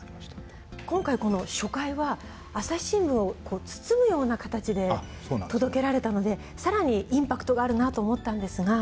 今回この初回は『朝日新聞』を包むような形で届けられたのでさらにインパクトがあるなと思ったんですが。